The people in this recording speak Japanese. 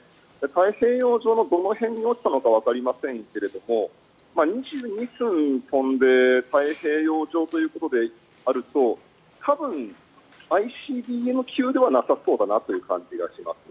太平洋上のどの辺に落ちたかはわかりませんが２２分飛んで太平洋上空でということであると多分、ＩＣＢＭ級ではなさそうだなという感じがします。